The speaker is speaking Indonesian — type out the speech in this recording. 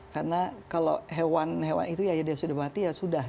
karena kalau hewan hewan itu ya sudah mati ya sudah